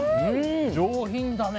上品だね。